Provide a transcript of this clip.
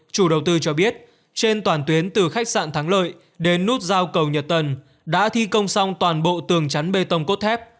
chủ đầu tư cho biết trên toàn tuyến từ khách sạn thắng lợi đến nút giao cầu nhật tân đã thi công xong toàn bộ tường chắn bê tông cốt thép